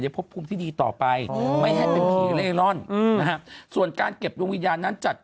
พบภูมิที่ดีต่อไปไม่ให้เป็นผีเล่ร่อนนะฮะส่วนการเก็บดวงวิญญาณนั้นจัด